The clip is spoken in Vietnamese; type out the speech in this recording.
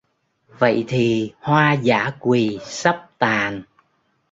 Vậy thì hoa dã quỳ sắp tàn